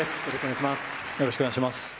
よろしくお願いします。